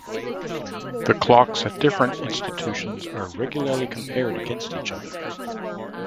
The clocks at different institutions are regularly compared against each other.